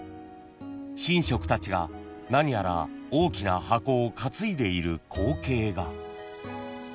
［神職たちが何やら大きな箱を担いでいる光景が］